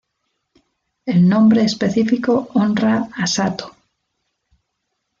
El nombre específico honra a Sato.